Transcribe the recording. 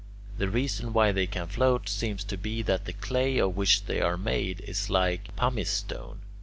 The reason why they can float seems to be that the clay of which they are made is like pumice stone.